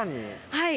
はい。